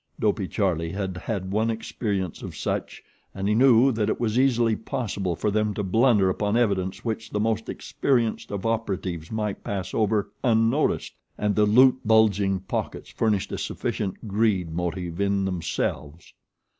Dopey Charlie had had one experience of such and he knew that it was easily possible for them to blunder upon evidence which the most experienced of operatives might pass over unnoticed, and the loot bulging pockets furnished a sufficient greed motive in themselves.